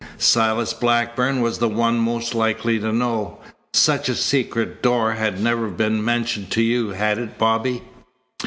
Silas Blackburn was the one most likely to know. Such a secret door had never been mentioned to you, had it, Bobby?"